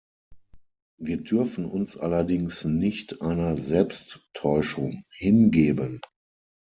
Wir dürfen uns allerdings nicht einer Selbsttäuschung hingeben.